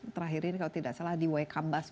terakhir ini kalau tidak salah di wkm basel